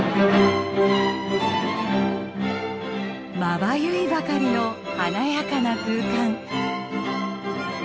まばゆいばかりの華やかな空間。